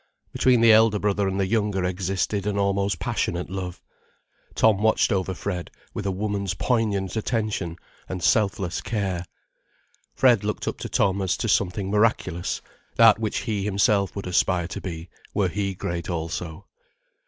Between the elder brother and the younger existed an almost passionate love. Tom watched over Fred with a woman's poignant attention and self less care. Fred looked up to Tom as to something miraculous, that which he himself would aspire to be, were he great also.